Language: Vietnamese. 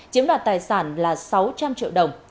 chiếm đoạt tài sản là sáu trăm linh triệu đồng